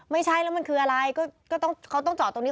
ไม่ใช่แล้วมันคืออะไรก็ต้องเขาต้องจอดตรงนี้